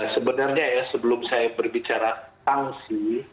sebenarnya ya sebelum saya berbicara sanksi